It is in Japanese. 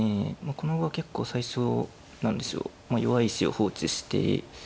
この碁は結構最初何でしょう弱い石を放置して。